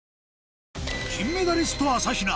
金メダリスト朝比奈